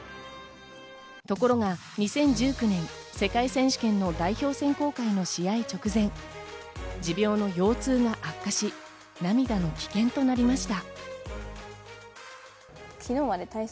ところが２０１９年、世界選手権の代表選考会の試合直前、持病の腰痛が悪化し涙の棄権となりました。